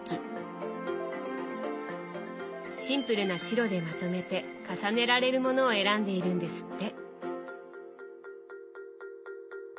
シンプルな白でまとめて重ねられるものを選んでいるんですって。